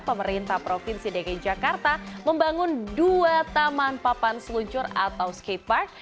pemerintah provinsi dki jakarta membangun dua taman papan seluncur atau skatepark